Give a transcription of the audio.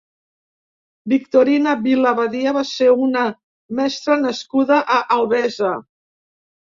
Victorina Vila Badia va ser una mestra nascuda a Albesa.